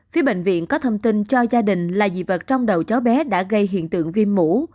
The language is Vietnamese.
phía bệnh viện có thông tin cho gia đình là dị vật trong đầu cháu bé đã gây hiện tượng viêm mủ